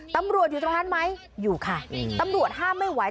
อยู่ตรงนั้นไหมอยู่ค่ะตำรวจห้ามไม่ไหว